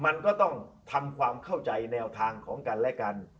มันก็ต้องทำความเข้าใจแนวทางของกันและกัน